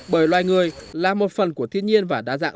bởi loài người là một phần của thiên nhiên và đa dạng sinh học